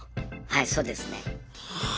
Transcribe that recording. はいそうですね。はあ！